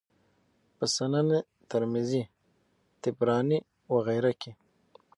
په سنن ترمذي، طبراني وغيره کي